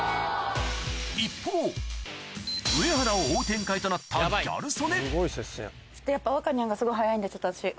一方上原を追う展開となったギャル曽根あっ。